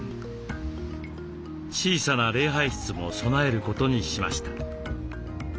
小さな礼拝室も備えることにしました。